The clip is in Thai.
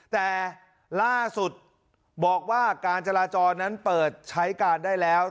แต่ล่าสุดบอกว่าการจราจรนั้นเปิดใช้การได้แล้ว